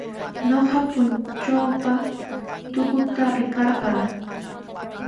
Ñuqa puntrawpa tukuta rikarqaa.